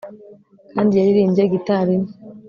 kandi yaririmbye gitari nto